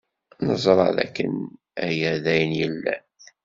Neẓra dakken aya d ayen yellan.